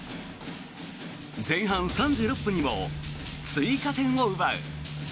前半３６分にも追加点を奪う。